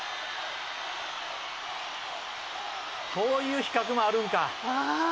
「こういう比較もあるんか」